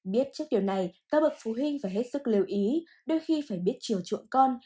biết trước điều này các bậc phụ huynh phải hết sức lưu ý đôi khi phải biết chiều con